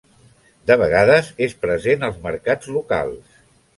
De vegades, és present als mercats locals.